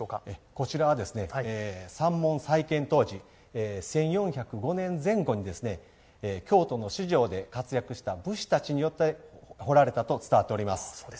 こちらは三門再建当時１４０５年前後に京都の四条で活躍した仏師たちによって彫られたと伝わっております。